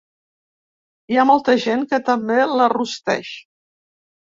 Hi ha molta gent que també la rosteix.